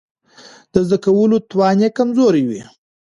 د زده کولو توان يې کمزوری وي.